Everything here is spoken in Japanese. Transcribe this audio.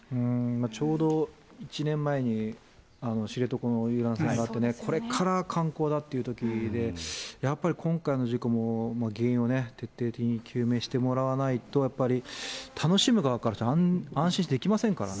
ちょうど１年前に知床の遊覧船があってね、これから観光だっていうときで、やっぱり今回の事故も原因を徹底的に究明してもらわないと、やっぱり楽しむ側からして、安心できませんからね。